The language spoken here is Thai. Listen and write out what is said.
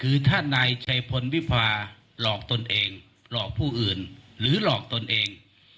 คือถ้านายชัยพลวิพาหลอกตนเองหลอกผู้อื่นหรือหลอกตนเอง